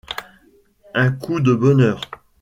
Un coup de bonheur.